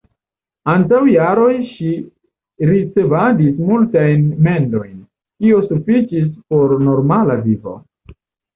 Antaŭ jaroj ŝi ricevadis multajn mendojn, kio sufiĉis por normala vivo.